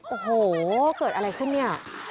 โอ้โหเกิดอะไรขึ้นเนี่ย